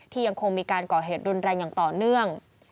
ยังคงมีการก่อเหตุรุนแรงอย่างต่อเนื่อง